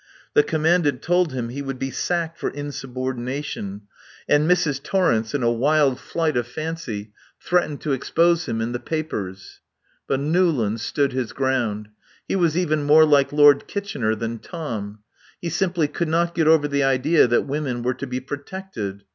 The Commandant told him he would be sacked for insubordination, and Mrs. Torrence, in a wild flight of fancy, threatened to expose him "in the papers." But Newlands stood his ground. He was even more like Lord Kitchener than Tom. He simply could not get over the idea that women were to be protected.